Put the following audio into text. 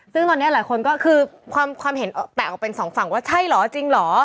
ซึ่งตอนนี้หลายคนก็คือความเห็นแตกออกเป็นสองฝั่งว่าใช่เหรอจริงเหรอ